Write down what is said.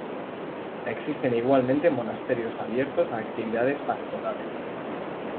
Existen igualmente monasterios abiertos a actividades pastorales.